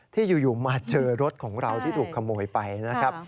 ที่อยู่มาเจอรถของเราที่ถูกขโมยไปนะครับ